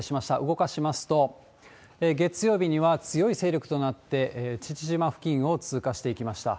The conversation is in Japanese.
動かしますと、月曜日には強い勢力となって、父島付近を通過していきました。